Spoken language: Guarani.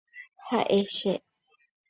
Ha'e che.